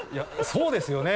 そうですよね。